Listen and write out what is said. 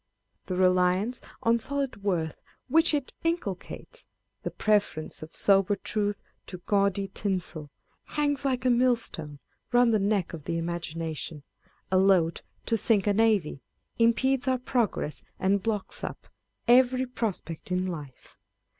The reliance on solid worth which it inculcates, the preference of sober truth to gaudy tinsel, hangs like a mill stone round the neck of the imagination â€" "a load to sink a navy " â€" impedes our progress, and blocks up every prospect in life.